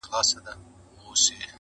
اصل بې بها وي، کم اصل بها وي.